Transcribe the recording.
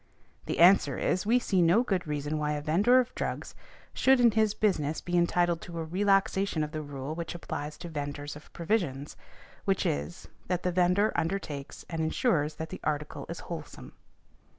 The answer is, we see no good reason why a vendor of drugs, should in his business be entitled to a relaxation of the rule which applies to vendors of provisions, which is, that the vendor undertakes and insures that the article is wholesome ."